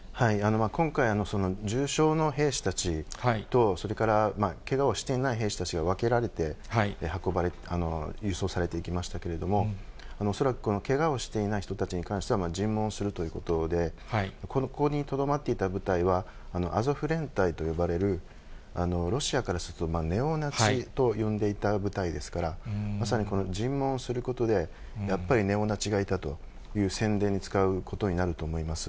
今回、重傷の兵士たちと、それからけがをしていない兵士たちが分けられて、輸送されていきましたけれども、恐らく、けがをしていない人たちについては、尋問するということで、ここにとどまっていた部隊は、アゾフ連隊と呼ばれるロシアからすると、ネオナチと呼んでいた部隊ですから、まさに尋問することで、やっぱりネオナチがいたという宣伝に使うことになると思います。